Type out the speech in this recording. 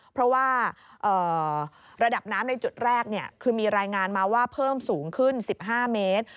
เพราะว่าระดับน้ำในจุดแรกคือมีรายงานมาว่าเพิ่มสูงขึ้น๑๕เมตร